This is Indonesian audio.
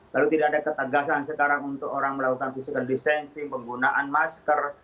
lalu tidak ada ketegasan sekarang untuk orang melakukan physical distancing penggunaan masker